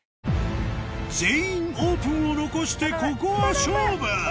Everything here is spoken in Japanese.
「全員オープン」を残してここは勝負！